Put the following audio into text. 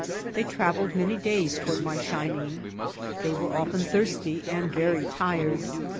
They trav eled many days toward my shining. They were often thirsty and very tired.